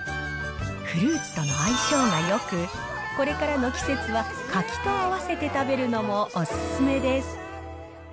フルーツとの相性がよく、これからの季節は柿と合わせて食べるのもお勧めです。